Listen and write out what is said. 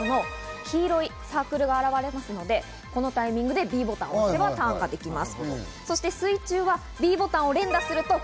続いてターンですが、黄色いサークルが現れますので、このタイミングでＢボタンを押せばターンができます。